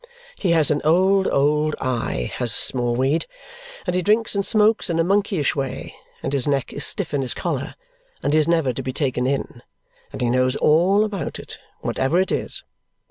He has an old, old eye, has Smallweed; and he drinks and smokes in a monkeyish way; and his neck is stiff in his collar; and he is never to be taken in; and he knows all about it, whatever it is.